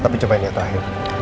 tapi cobain ya terakhir